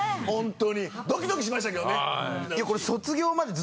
ドキドキしましたけどね。